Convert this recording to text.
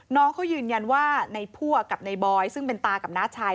น้องเขายืนยันว่าในพั่วกับในบอยซึ่งเป็นตากับน้าชาย